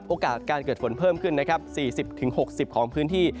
โอกาสการเกิดฝนเพิ่มขึ้นนะครับ๔๐๖๐ของพื้นที่